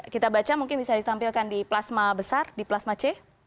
kita baca mungkin bisa ditampilkan di plasma besar di plasma c